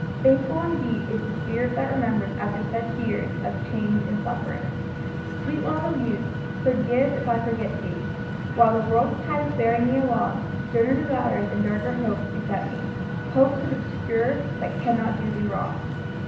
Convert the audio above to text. Faithful indeed is the spirit that remembers After such years of change and suffering! Sweet love of youth, forgive if I forget thee While the world's tide is bearing me along; Sterner desires and darker hopes beset me, Hopes which obscure but cannot do thee wrong.